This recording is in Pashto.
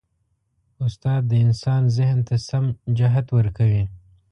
استاد د انسان ذهن ته سم جهت ورکوي.